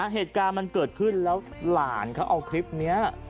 เหตุการณ์มันเกิดขึ้นแล้วหลานเขาเอาคลิปนี้